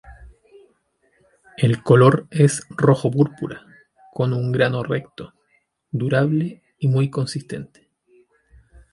El color es rojo púrpura, con un grano recto, durable y muy consistente.